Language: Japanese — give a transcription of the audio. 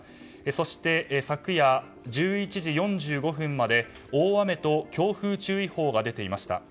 そして昨夜１１時４５分まで大雨と強風注意報が出ていました。